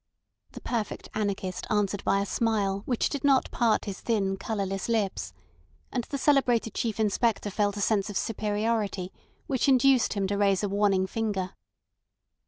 The perfect anarchist answered by a smile which did not part his thin colourless lips; and the celebrated Chief Inspector felt a sense of superiority which induced him to raise a warning finger.